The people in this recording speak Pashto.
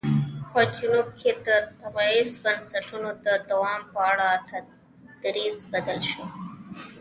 په جنوب کې د تبعیض بنسټونو د دوام په اړه دریځ بدل شو.